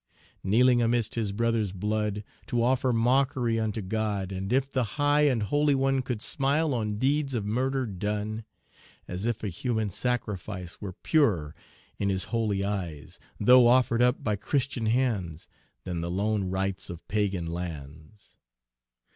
Kneeling amidst his brother's blood, To offer mockery unto God, As if the High and Holy One Could smile on deeds of murder done! As if a human sacrifice Were purer in His holy eyes, Though offered up by Christian hands, Than the lone rites of Pagan lands!